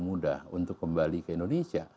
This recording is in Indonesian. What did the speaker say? mudah untuk kembali ke indonesia